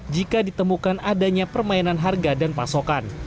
jika ditemukan adanya permainan harga dan pasokan